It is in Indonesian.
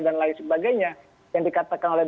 dan lain sebagainya yang dikatakan oleh